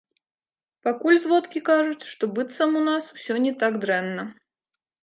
Пакуль зводкі кажуць, што быццам у нас усё не так дрэнна.